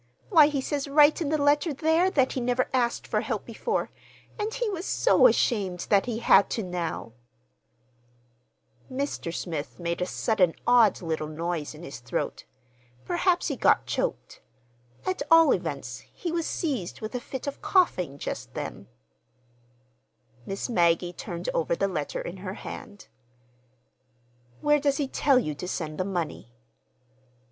Why, he says right in the letter there that he never asked for help before, and he was so ashamed that he had to now." [Illustration with caption: "AND LOOK INTO THOSE BLESSED CHILDREN'S FACES"] Mr. Smith made a sudden odd little noise in his throat. Perhaps he got choked. At all events, he was seized with a fit of coughing just then. Miss Maggie turned over the letter in her hand. "Where does he tell you to send the money?"